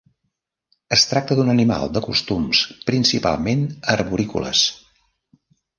Es tracta d'un animal de costums principalment arborícoles.